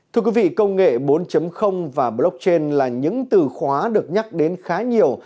thưa quý vị công nghệ bốn và blockchain là những từ khóa được nhắc đến khá nhiều